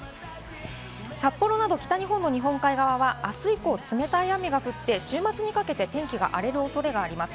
札幌など北日本の日本海側はあす以降、冷たい雨が降って、週末にかけて天気が荒れるおそれがあります。